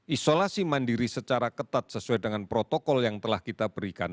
isolasi mandiri secara ketat sesuai dengan protokol yang telah kita berikan